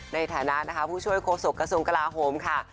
ในฐานะนะคะผู้ช่วยโฆษกระทรวงกลาโหมค่ะ